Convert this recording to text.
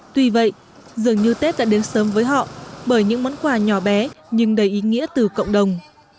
tuy vậy dường như tết đã đến sớm với họ bởi những món quà nhỏ bé nhưng đầy ý nghĩa từ cộng đồng